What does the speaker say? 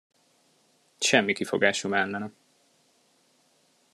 Semmi kifogásom ellene.